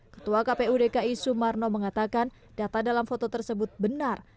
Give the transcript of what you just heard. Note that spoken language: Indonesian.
ketua kpu dki sumarno mengatakan data dalam foto tersebut benar